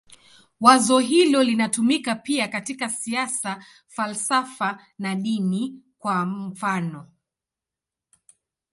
Wazo hilo linatumika pia katika siasa, falsafa na dini, kwa mfanof.